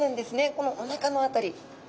このおなかの辺り。